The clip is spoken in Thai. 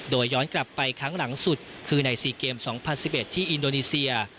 โดยย้อนกลับไปครั้งหลังสุดคือใน๔เกม๒๐๑๑ที่อินโดนีเซีย